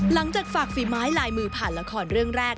หลังจากฝากฝีไม้ลายมือผ่านละครเรื่องแรก